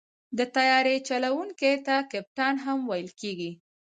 د طیارې چلوونکي ته کپتان هم ویل کېږي.